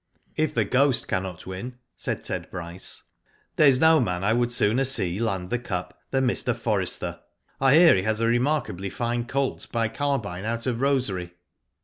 "If The Ghost cannot win," said Ted Bryce, "there is no man I would sooner see land the Cup than Mr. Forrester. I hear he has a remarkably fine colt by Carbine out of Rosary."